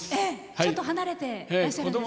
ちょっと離れてらっしゃるんですよね。